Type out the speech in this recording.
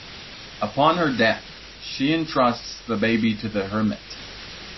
Upon her death, she entrusts the baby to the hermit.